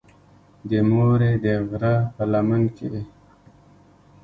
د مورې د غرۀ پۀ لمن کښې